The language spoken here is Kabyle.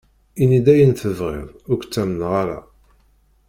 Ini-d ayen tebɣiḍ, ur k-ttamneɣ ara.